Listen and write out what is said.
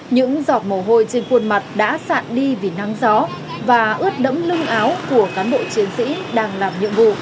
những giọt mồ hôi trên khuôn mặt đã sạn đi vì nắng gió và ướt đẫm lưng áo của cán bộ chiến sĩ đang làm nhiệm vụ